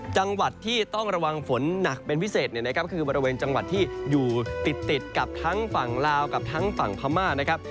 จังหวัดที่ต้องระวังฝนหนักเป็นพิเศษเนี่ยนะครับคือบริเวณจังหวัดที่อยู่ติดกับทั้งฝั่งลาวกับทั้งฝั่งพม่านะครับ